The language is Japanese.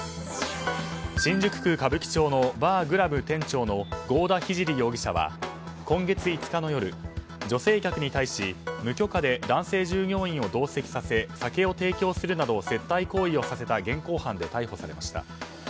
新宿区歌舞伎町のＢａｒＧｌａｍｂ店長の郷田聖容疑者は、今月５日の夜女性客に対し無許可で男性従業員を同席させ酒を提供するなど接待行為をさせた現行犯で逮捕されました。